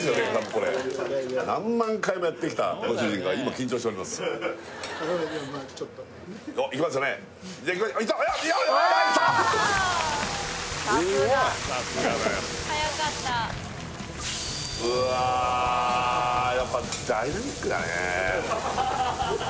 これ何万回もやってきたご主人が今緊張しておりますじゃまあちょっとおっいきますよねいったおっいったうわあやっぱダイナミックだね